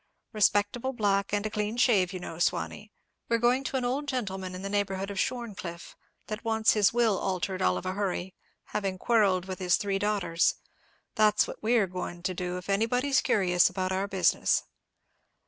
Respectable black and a clean shave, you know, Sawney. We're going to an old gentleman in the neighbourhood of Shorncliffe, that wants his will altered all of a hurry, having quarrelled with his three daughters; that's what we're goin' to do, if anybody's curious about our business."